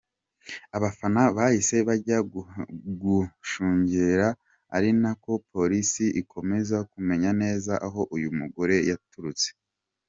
Abafana bahise bajya gushungera ari nako Polisi ikomeza kumenya neza aho uyu mugore yaturutse.